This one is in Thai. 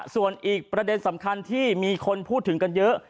ส่วนอีกประเด็นสำคัญที่มีคนพูดถึงกันเยอะ